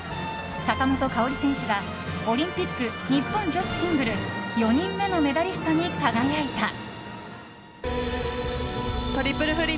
坂本花織選手がオリンピック日本女子シングル４人目のメダリストに輝いた。